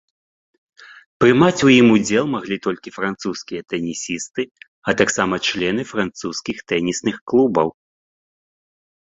Прымаць у ім удзел маглі толькі французскія тэнісісты, а таксама члены французскіх тэнісных клубаў.